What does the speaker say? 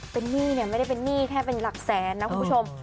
เป็นหนี้เนี่ยไม่ได้เป็นหนี้แค่เป็นหลักแสนนะคุณผู้ชม